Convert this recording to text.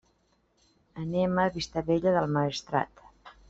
Anem a Vistabella del Maestrat.